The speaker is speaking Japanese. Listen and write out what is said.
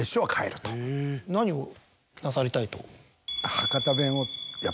何をなさりたいと？